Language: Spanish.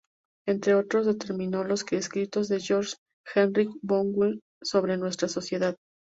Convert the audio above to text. Entre otros, determinó los escritos de Georg Henrik von Wright sobre nuestra sociedad.